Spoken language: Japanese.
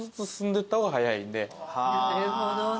なるほどね。